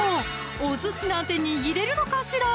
お寿司なんて握れるのかしら？